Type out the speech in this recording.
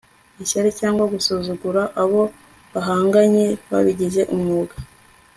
Ishyari cyangwa gusuzugura abo bahanganye babigize umwuga